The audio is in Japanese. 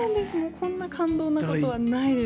こんな感動なことはないです。